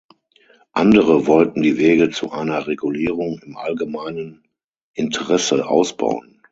Andere wollten die Wege zu einer Regulierung im allgemeinen Interesse ausbauen.